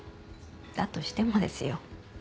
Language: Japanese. だとしてもですよ。